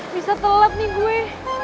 bisa telat nih gue